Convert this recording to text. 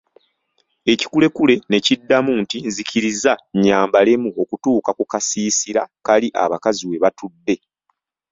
Ekikulekule ne kiddamu nti, nzikiriza nnyambalemu okutuuka ku kasiisira kali abakazi we batudde.